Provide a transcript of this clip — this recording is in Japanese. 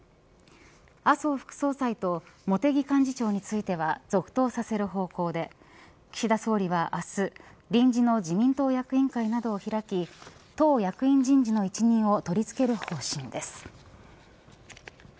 麻生副総裁と茂木幹事長については続投させる方向で岸田総理は明日臨時の自民党役員会などを開き党役員人事の一任を取りつける方針です。